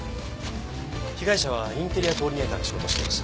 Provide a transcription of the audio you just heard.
被害者はインテリアコーディネーターの仕事をしていました。